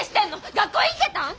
学校行けたん！？